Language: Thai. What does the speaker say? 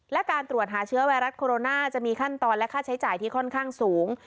และการตรวจหาเชื้อไวรัสโคโรนาจะมีขั้นตอนและค่าใช้จ่ายที่ค่อนข้างสูง